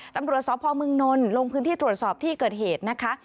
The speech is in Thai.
ตำรวจสอบพรเมืองนลลงพื้นที่ตลอดสอบที่เกิดเหตุนะคะ